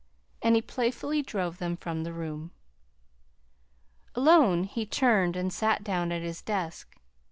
And he playfully drove them from the room. Alone, he turned and sat down at his desk.